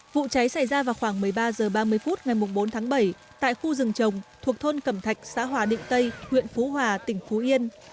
vụ cháy xảy ra vào khoảng một mươi ba h ba mươi phút ngày bốn tháng bảy tại khu rừng trồng thuộc thôn cẩm thạch xã hòa định tây huyện phú hòa tỉnh phú yên